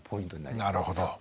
なるほど。